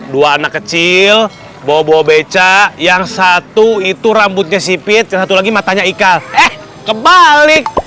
dua anak kecil bawa bawa becak yang satu itu rambutnya sipit satu lagi matanya ika eh kebalik